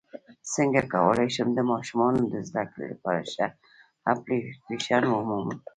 څنګه کولی شم د ماشومانو د زدکړې لپاره ښه اپلیکیشن ومومم